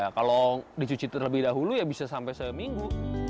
ya kalau dicuci terlebih dahulu ya bisa sampai seminggu